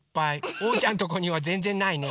おうちゃんとこにはぜんぜんないね。